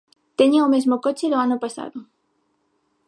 Teñen o mesmo coche do ano pasado.